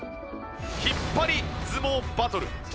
引っ張り相撲バトル。